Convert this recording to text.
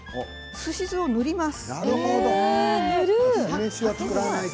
すし酢を塗ります。